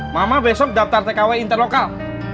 mama besok daftar tkw interlokal